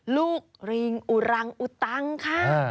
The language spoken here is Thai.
ลูกริงอุรังอุตังค่ะ